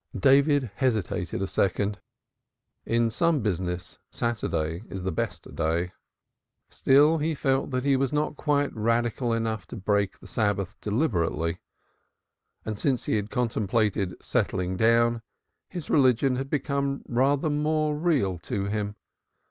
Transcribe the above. David hesitated a second. In some business, Saturday is the best day. Still he felt that he was not quite radical enough to break the Sabbath deliberately, and since he had contemplated settling down, his religion had become rather more real to him.